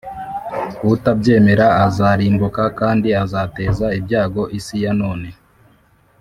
Utabyemera azarimbuka kandi azateza ibyago isi ya none.